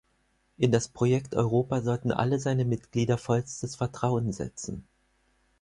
In das Projekt Europa sollten alle seine Mitglieder vollstes Vertrauen setzen.